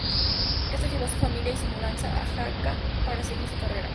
Esto llevó a su familia y su mudanza a Jakarta, para seguir su carrera.